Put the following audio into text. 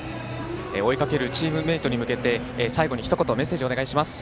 追いかけるチームメートに向けて最後にひと言メッセージお願いします。